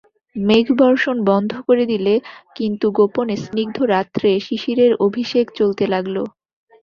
মেঘ বর্ষণ বন্ধ করে দিলে, কিন্তু গোপনে স্নিগ্ধ রাত্রে শিশিরের অভিষেক চলতে লাগল।